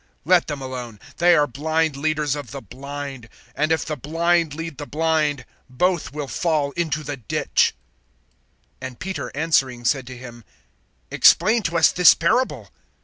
(14)Let them alone; they are blind leaders of the blind; and if the blind lead the blind, both will fall into the ditch. (15)And Peter answering said to him: Explain to us this parable.